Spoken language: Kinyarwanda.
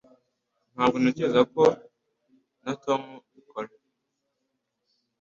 Ntabwo ntekereza ko na Tom bikora